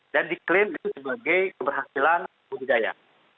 dan diklaim itu sebagai keberhasilan budaya